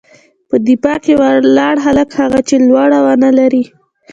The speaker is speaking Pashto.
_په دفاع کې ولاړ هلک، هغه چې لوړه ونه لري.